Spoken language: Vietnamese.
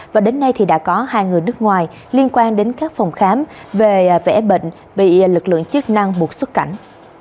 và đến nay thì đã có hai người nước ngoài liên quan đến các phòng khám về vẻ bệnh bị lực lượng chức năng buộc xuất cảnh